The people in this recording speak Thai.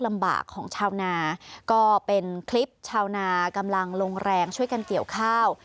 ลำบากของชาวนาก็เป็นคลิปชาวนากำลังลงแรงช่วยกันเกี่ยวข้าว